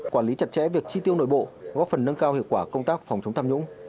quản lý chặt chẽ việc chi tiêu nội bộ góp phần nâng cao hiệu quả công tác phòng chống tham nhũng